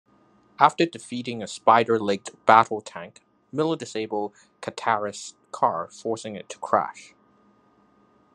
After defeating a spider-legged battle tank, Miller disables Kantaris's car, forcing it to crash.